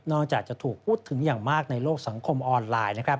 นอกจากจะถูกพูดถึงอย่างมากในโลกสังคมออนไลน์